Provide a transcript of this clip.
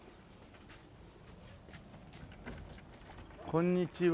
こんにちは。